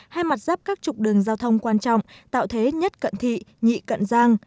hai mặt dắp các trục đường giao thông quan trọng tạo thế nhất cận thị nhị cận giang